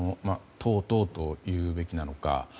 とうとうというべきなのか